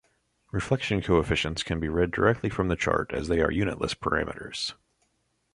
Reflection coefficients can be read directly from the chart as they are unitless parameters.